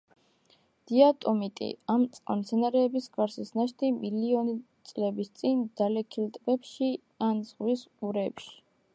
დიატომიტი, ამ წყალმცენარეების გარსის ნაშთი, მილიონი წლების წინ დალექილი ტბებში ან ზღვის ყურეებში.